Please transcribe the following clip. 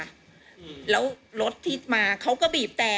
อืมแล้วรถที่มาเขาก็บีบแต่